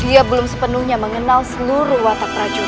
ia belum sepenuhnya mengenal seluruh watak prajurit